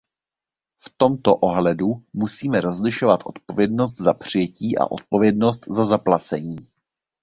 V tomto ohledu musíme rozlišovat odpovědnost za přijetí a odpovědnost za zaplacení.